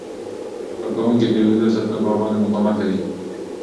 کارکوونکي د اوږدو ساعتونو په وړاندې مقاومت کوي.